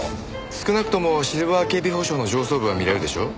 少なくともシルバー警備保障の上層部は見れるでしょう？